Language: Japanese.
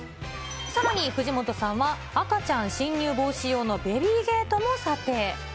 さらに、藤本さんは赤ちゃん進入防止用のベビーゲートも査定。